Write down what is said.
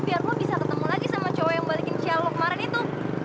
biar lo bisa ketemu lagi sama cowok yang balikin chal lo kemarin itu